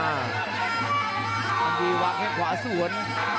อังดีพยพาเป็นขวาสวน